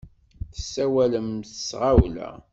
Tessawalemt s tɣawla.